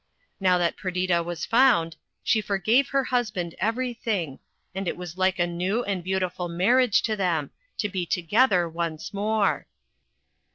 Now that Perdita was found, she forgave her husband everything, and it was like a new and beautiful marriage to them, to be together once more.